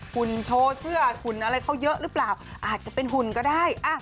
หุ่นโชว์เสื้อหุ่นอะไรเขาเยอะหรือเปล่าอาจจะเป็นหุ่นก็ได้